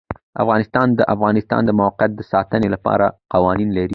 افغانستان د د افغانستان د موقعیت د ساتنې لپاره قوانین لري.